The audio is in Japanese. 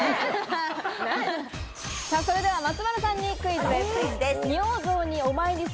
それでは松丸さんにクイズです。